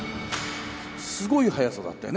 すごい速さだったよね